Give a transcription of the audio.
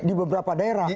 di beberapa daerah